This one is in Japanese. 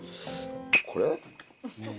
これ？